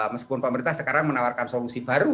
meskipun pemerintah sekarang menawarkan solusi baru